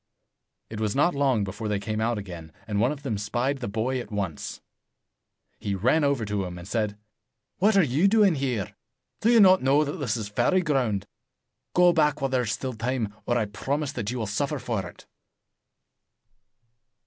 It was not long before they came out again, and one of them spied the boy at once. He ran over to him, and said, "What are you doing here? Do you not know that this is fairy 82 ground ? Go back while there is still time, or I promise you that you will suffer for it."